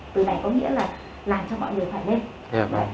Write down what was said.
từ này có nghĩa là làm cho mọi người phải lên